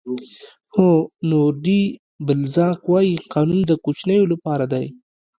هونور ډي بلزاک وایي قانون د کوچنیو لپاره دی.